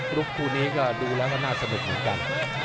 คลุปทุกหุนนี้ดูแล้วน่าสนุกเหมือนกัน